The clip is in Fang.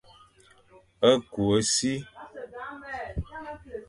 Ku e si.